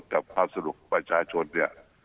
กับความสะดวกกับว่าชาชนเนี่ย